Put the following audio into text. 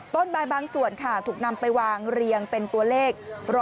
ต้นบานบางส่วนค่ะถูกนำไปวางเป็นตัวเลข๑๑๒